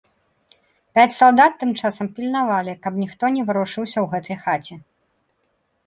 Пяць салдат тым часам пільнавалі, каб ніхто не варушыўся ў гэтай хаце.